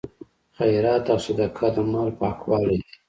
خیرات او صدقه د مال پاکوالی دی.